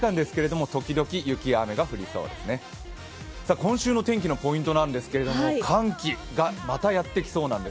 今週の天気のポイントなんですけど寒気がまたやってきそうなんです。